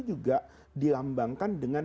juga dilambangkan dengan